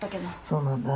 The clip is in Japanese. そうなんだ。